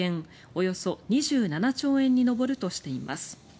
およそ２７兆円に上るとしています。